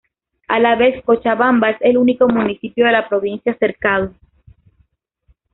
A la vez Cochabamba es el único municipio de la Provincia Cercado.